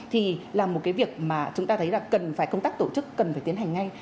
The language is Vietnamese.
thì là một cái việc mà chúng ta thấy là cần phải công tác tổ chức cần phải tiến hành ngay